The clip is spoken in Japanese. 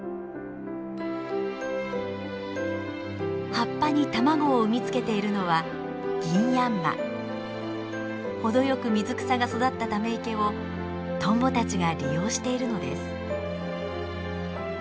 葉っぱに卵を産みつけているのは程よく水草が育ったため池をトンボたちが利用しているのです。